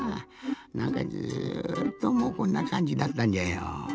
なんかずっともうこんなかんじだったんじゃよ。